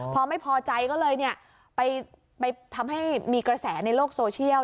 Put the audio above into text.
พอไม่พอใจก็เลยไปทำให้มีกระแสในโลกโซเชียล